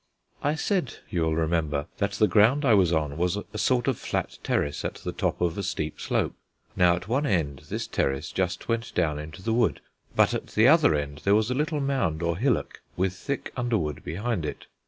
I said, you will remember, that the ground I was on was a sort of flat terrace at the top of a steep slope. Now at one end this terrace just went down into the wood, but at the other end there was a little mound or hillock with thick underwood behind it.